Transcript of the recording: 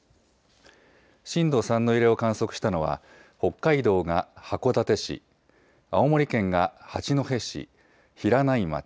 震度３の揺れを観測したのは北海道が函館市、青森県が八戸市、平内町、